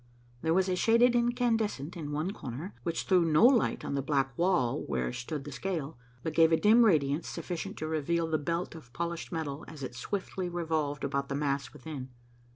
There was a shaded incandescent in one corner, which threw no light on the black wall where stood the scale, but gave a dim radiance sufficient to reveal the belt of polished metal as it swiftly revolved about the mass within.